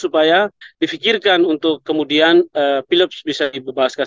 supaya difikirkan untuk kemudian philips bisa dibebaskan